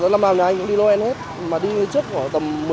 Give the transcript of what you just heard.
lần nào nhà anh cũng đi noel hết mà đi trước tầm một mươi